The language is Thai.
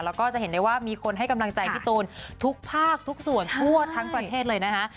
แล้วก็จะเห็นได้ว่ามีคนให้กำลังใจพี่ตูนทุกภาคทุกส่วนทั่วทั้งประเทศเลยนะคะ